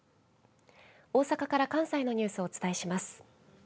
大阪から関西のニュースをお伝えします。